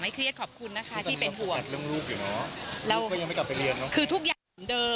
ไม่เครียดขอบคุณนะคะที่เป็นห่วงเราก็ยังไม่กลับไปเรียนเนอะคือทุกอย่างเหมือนเดิม